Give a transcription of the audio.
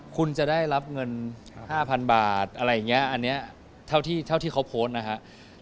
คุณจะได้รับเงิน๕๐๐๐บาทอะไรอย่างนี้อันนี้เท่าที่เขาโพสต์นะครับ